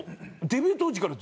デビュー当時から？